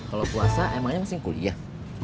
kalau puasa emangnya mesti kuliah